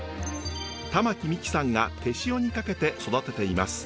玉置美紀さんが手塩にかけて育てています。